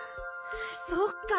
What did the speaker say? そっか。